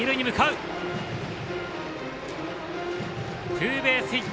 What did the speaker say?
ツーベースヒット！